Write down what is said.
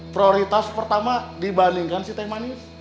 prioritas pertama dibandingkan si teh manis